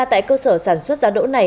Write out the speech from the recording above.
tại cơ sở sản xuất giá đỗ này